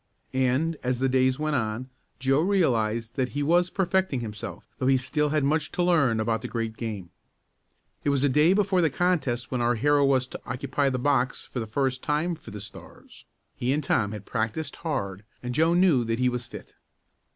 And, as the days went on, Joe realized that he was perfecting himself, though he still had much to learn about the great game. It was the day before the contest when our hero was to occupy the box for the first time for the Stars. He and Tom had practiced hard and Joe knew that he was "fit."